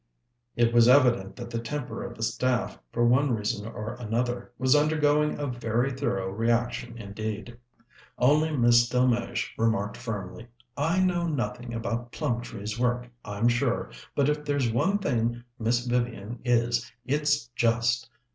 It was evident that the temper of the staff, for one reason or another, was undergoing a very thorough reaction indeed. Only Miss Delmege remarked firmly: "I know nothing about Plumtree's work, I'm sure, but if there's one thing Miss Vivian is, it's just.